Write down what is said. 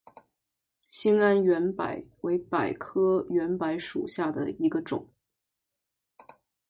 兴安圆柏为柏科圆柏属下的一个种。